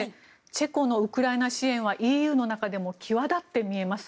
チェコのウクライナ支援はＥＵの中でも際立って見えます。